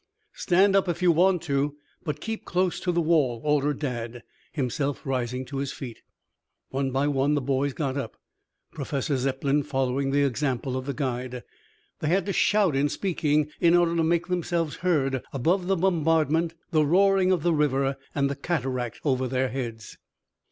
"Stand up if you want to, but keep close to the wall," ordered Dad, himself rising to his feet. One by one the boys got up, Professor Zepplin following the example of the guide. They had to shout in speaking in order to make themselves heard above the bombardment, the roaring of the river and the cataract over their heads.